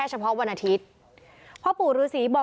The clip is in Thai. ทั้งหมดนี้คือลูกศิษย์ของพ่อปู่เรศรีนะคะ